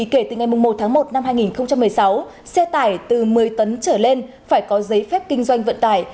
kể từ ngày một tháng một năm hai nghìn một mươi sáu xe tải từ một mươi tấn trở lên phải có giấy phép kinh doanh vận tải